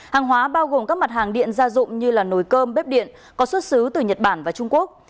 hàng hóa bao gồm các mặt hàng điện gia dụng như nồi cơm bếp điện có xuất xứ từ nhật bản và trung quốc